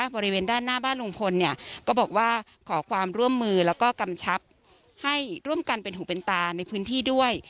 บริเวณด้านหน้าบ้านลุงพลเนี่ยก็บอกว่าขอความร่วมมือแล้วก็กำชับให้ร่วมกันเป็นหูเป็นตาในพื้นที่ด้วย